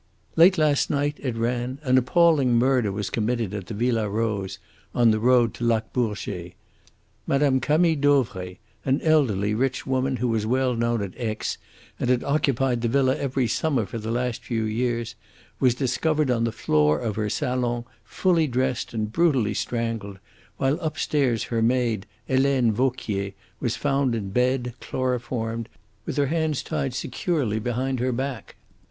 "Late last night," it ran, "an appalling murder was committed at the Villa Rose, on the road to Lac Bourget. Mme. Camille Dauvray, an elderly, rich woman who was well known at Aix, and had occupied the villa every summer for the last few years, was discovered on the floor of her salon, fully dressed and brutally strangled, while upstairs, her maid, Helene Vauquier, was found in bed, chloroformed, with her hands tied securely behind her back.